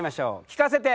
聞かせて！